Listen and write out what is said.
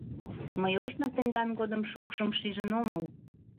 — Мый ожно тендан годым шокшым шижын омыл.